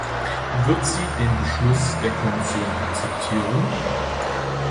Wird sie den Beschluss der Kommission akzeptieren?